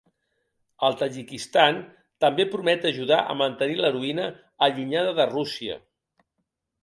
El Tadjikistan també promet ajudar a mantenir l'heroïna allunyada de Rússia.